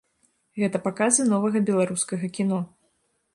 Гэта паказы новага беларускага кіно.